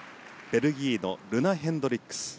ベルギーのルナ・ヘンドリックス。